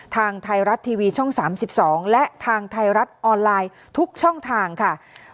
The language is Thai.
ทางไทยรัฐทีวีช่อง๓๒และทางไทยรัฐออนไลน์ทุกช่องทางค่ะ